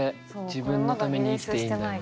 「自分のために生きていいんだよ」。